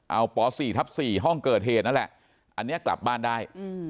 เอาป๔ทับ๔ห้องเกิดเหตุนั่นแหละอันนี้กลับบ้านได้